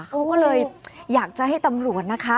เขาก็เลยอยากจะให้ตำรวจนะคะ